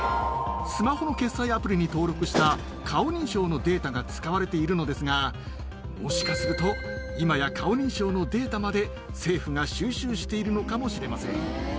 スマホの決済アプリに登録した顔認証のデータが使われているのですが、もしかすると、今や顔認証のデータまで、政府が収集しているのかもしれません。